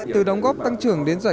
từ đóng góp tăng trưởng đến giải quyết